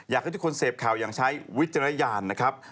อยากให้ทุกคนเสพข่าวอย่างใช้วิจารณญาณนะครับ